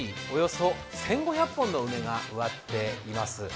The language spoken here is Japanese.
およそ１５００本の梅が植わっています。